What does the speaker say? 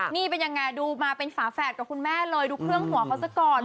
นี่เป็นยังไงดูมาเป็นฝาแฝดกับคุณแม่เลยดูเครื่องหัวเขาซะก่อน